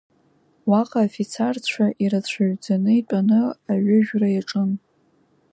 Уаҟа афицарцәа ирацәаҩӡаны итәаны аҩыжәра иаҿын…